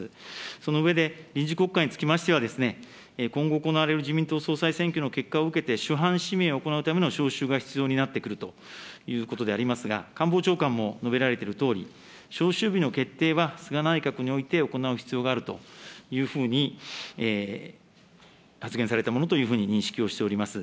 その上で、臨時国会につきましては、今後行われる自民党総裁選挙の結果を受けて、首班指名を行うための召集が必要になってくるということでありますが、官房長官も述べられているとおり、召集日の決定は菅内閣において行う必要があるというふうに発言されたものというふうに認識をしております。